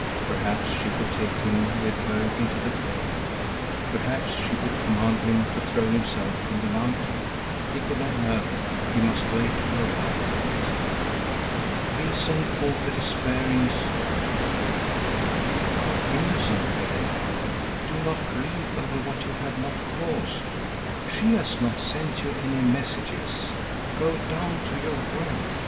Perhaps she would take him with her into the grave; perhaps she would command him to throw himself from the mountain. He could not know—he must wait for a while yet. Reason fought a despairing struggle: "You are innocent, Petter Nord. Do not grieve over what you have not caused! She has not sent you any messages. Go down to your work!